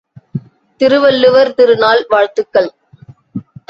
திருவள்ளுவர் திருநாள் வாழ்த்துகள்!